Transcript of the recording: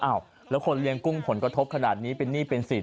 แล้วคนเลี้ยงกุ้งผลกระทบขนาดนี้เป็นหนี้เป็นสิน